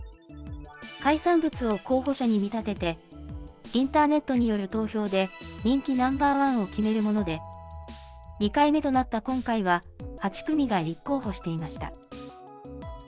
海産物を候補者に見立てて、インターネットによる投票で人気ナンバーワンを決めるもので、２回目となった今回は８組が立候補していました。